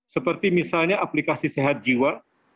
seperti misalnya aplikasi sehat jiwa